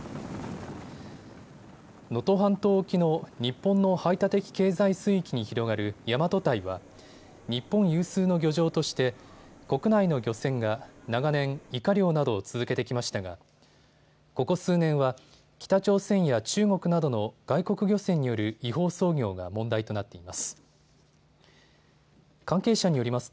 能登半島沖の日本の排他的経済水域に広がる大和堆は日本有数の漁場として国内の漁船が長年、イカ漁などを続けてきましたがここ数年は北朝鮮や中国などの外国漁船による違法操業が問題となっています。